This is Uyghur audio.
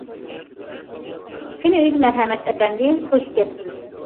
قېنى، ئۆيگە مەرھەمەت، ئەپەندى... خۇش كەپسىز.